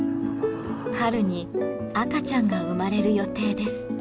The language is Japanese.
春に赤ちゃんが生まれる予定です。